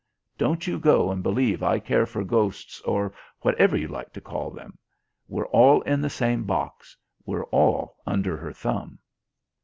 Don't you go and believe I care for ghosts, or whatever you like to call them. We're all in the same box. We're all under her thumb."